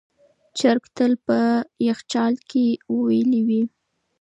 چرګ تل په یخچال کې ویلوئ.